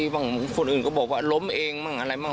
บางคนอื่นก็บอกว่าล้มเองมั่งอะไรมั่ง